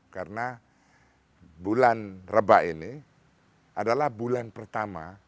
karena bulan reba ini adalah bulan pertama